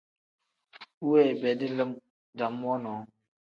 Bu weebedi lim dam wonoo.